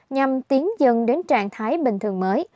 nhằm tiến dân đến trạng thái bình thường mới